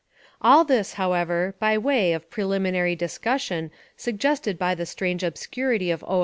All this, however, by way of preliminary dis cussion suggested by the strange obscurity of O.